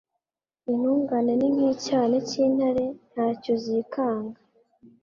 intungane ni nk'icyana cy'intare, nta cyo zikanga